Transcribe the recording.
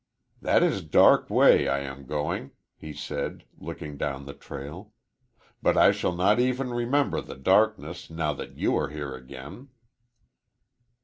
"That is a dark way I am going," he said, looking down the trail. "But I shall not even remember the darkness, now that you are here again."